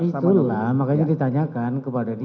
itulah makanya ditanyakan kepada dia